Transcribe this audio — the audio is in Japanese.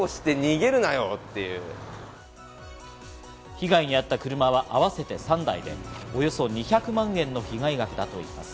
被害に遭った車は合わせて３台で、およそ２００万円の被害額だといいます。